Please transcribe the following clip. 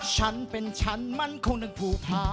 ฉันเป็นฉันมั่นคงในภูพา